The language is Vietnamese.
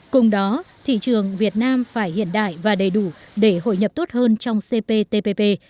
cùng đó thị trường việt nam phải hiện đại và đầy đủ để hội nhập tốt hơn trong cptpp